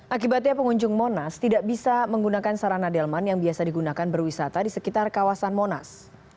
akibatnya pengunjung monas tidak bisa menggunakan sarana delman yang biasa digunakan berwisata di sekitar kawasan monas